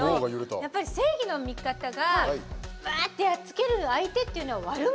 やっぱり正義の味方がうわってやっつける相手っていうのは悪者。